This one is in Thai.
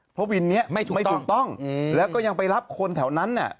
เพราะวินนี้ไม่ถูกต้องแล้วก็ยังไปรับคนแถวนั้นเนี่ย